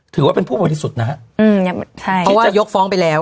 ถือว่าเป็นผู้บริสุทธิ์นะฮะอืมใช่เพราะว่าจะยกฟ้องไปแล้ว